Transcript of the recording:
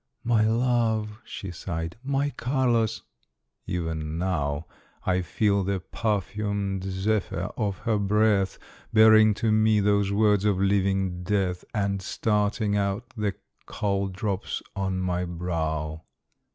"My love!" she sighed, "My Carlos!" even now I feel the perfumed zephyr of her breath Bearing to me those words of living death, And starting out the cold drops on my brow.